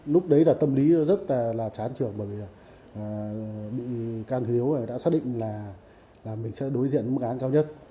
lúc đấy là tâm lý rất là chán trường bởi vì là bị can hiếu đã xác định là mình sẽ đối diện với mức án cao nhất